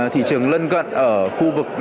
thị trường lân cận ở khu vực